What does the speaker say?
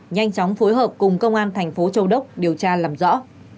nhanh chóng phối hợp cùng công an thành phố châu đốc điều tra làm rõ